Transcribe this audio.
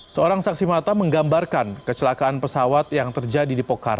seorang saksi mata menggambarkan kecelakaan pesawat yang terjadi di pokkara